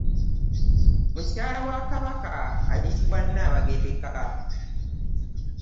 Mukyala wa kabaka ayitibwa Nnabagereka.